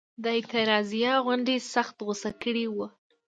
د اعتراضیه غونډې سخت غوسه کړي وو.